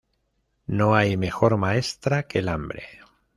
No hay mejor maestra que el hambre